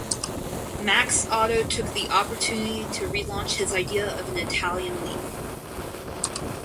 Max Otto took the opportunity to relaunch his idea of an Italian league.